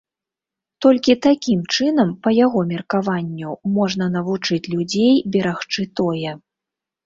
Толькі такім чынам, па яго меркаванню, можна навучыць людзей берагчы тое.